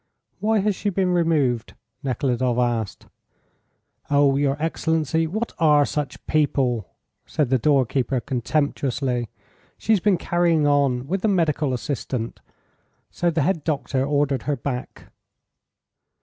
"Why has she been removed?" Nekhludoff asked. "Oh, your excellency, what are such people?" said the doorkeeper, contemptuously. "She's been carrying on with the medical assistant, so the head doctor ordered her back."